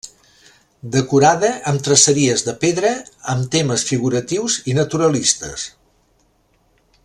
Decorada amb traceries de pedra amb temes figuratius i naturalistes.